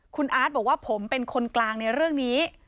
คุณอาร์ตบอกว่าผมเป็นคนกลางในเรื่องนี้